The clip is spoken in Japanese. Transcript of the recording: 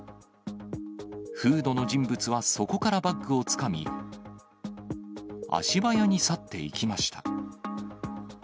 フードの人物はそこからバッグをつかみ、足早に去っていきました。